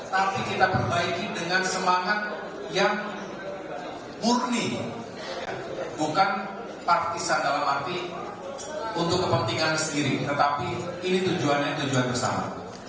tapi kita perbaiki dengan semangat yang murni bukan partisan dalam arti untuk kepentingan sendiri tetapi ini tujuannya tujuan bersama